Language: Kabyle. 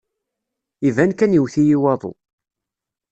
Iban kan iwet-iyi waḍu.